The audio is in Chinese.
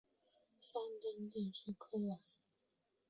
香槟地区拉克鲁瓦。